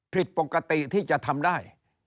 ผิดปกติที่จะทำได้